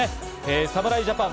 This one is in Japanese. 侍ジャパン。